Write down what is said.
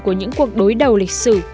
của những cuộc đối đầu lịch sử